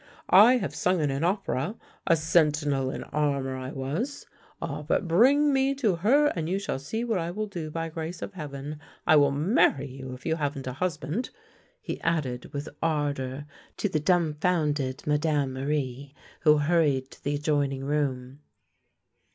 I have sung in an opera — a sentinel in armour I was. Ah, but bring me to her, and you shall see what I will do, by grace of heaven! I will marry you, if you haven't a husband," he added with ardour to the dumfounded Madame Marie, who hur ried to the adjoining room.